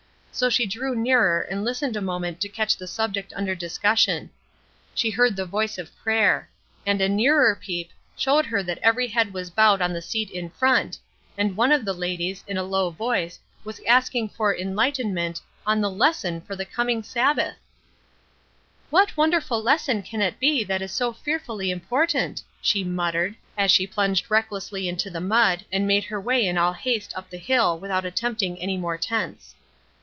So she drew nearer and listened a moment to catch the subject under discussion. She heard the voice of prayer; and a nearer peep showed her that every head was bowed on the seat in front, and one of the ladies, in a low voice, was asking for enlightenment on the lesson for the coming Sabbath! "What wonderful lesson can it be that is so fearfully important?" she muttered, as she plunged recklessly into the mud and made her way in all haste up the hill without attempting any more tents.